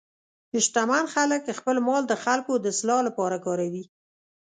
شتمن خلک خپل مال د خلکو د اصلاح لپاره کاروي.